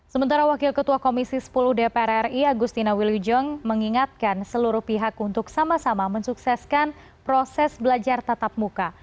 sementara wakil ketua komisi sepuluh dpr ri agustina wilujong mengingatkan seluruh pihak untuk sama sama mensukseskan proses belajar tatap muka